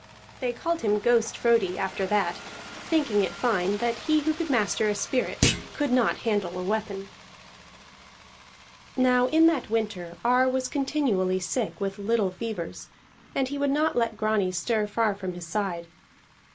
They called him Ghost Frodi after that, thinking it fine that he who could master a spirit could not handle a weapon. Now in that winter Ar was continually sick with little fevers, and he would not let Grani stir far from his side.